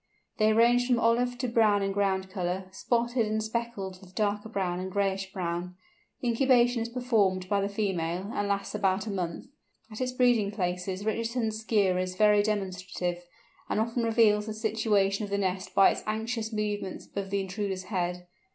They range from olive to brown in ground colour, spotted and speckled with darker brown and grayish brown. Incubation is performed by the female, and lasts about a month. At its breeding places Richardson's Skua is very demonstrative, and often reveals the situation of the nest by its anxious movements above the intruder's head.